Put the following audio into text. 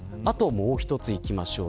もう一ついきましょう。